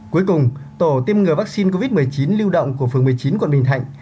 cuối cùng tổ tiêm ngừa vaccine covid một mươi chín lưu động của phường một mươi chín quận bình thạnh